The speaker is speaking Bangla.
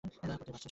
পড়তে পারছ ঠিকমত?